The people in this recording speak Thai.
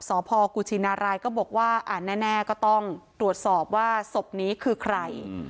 สพกุชินารายก็บอกว่าแน่ก็ต้องตรวจสอบว่าศพนี้คือใคร